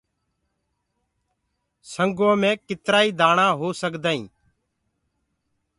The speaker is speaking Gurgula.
سنگو مي ڪيترآ ئي دآڻآ هو سگدآئين